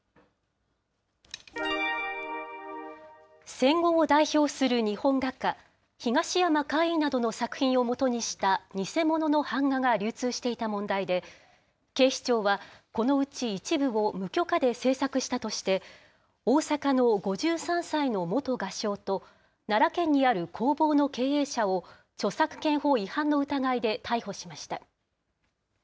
戦後を代表する日本画家、東山魁夷などの作品をもとにした偽物の版画が流通していた問題で、警視庁は、このうち一部を無許可で制作したとして、大阪の５３歳の元画商と、奈良県にある工房の経営者を著作権法違反の疑いで逮捕しました。